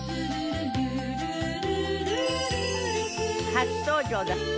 初登場だって。